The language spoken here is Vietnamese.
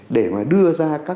để đưa ra các giải quyết